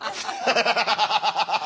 ハハハハ！